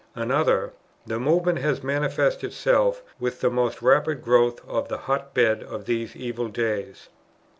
Another: The Movement has manifested itself "with the most rapid growth of the hot bed of these evil days."